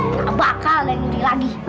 enggak bakal ada yang ngeri lagi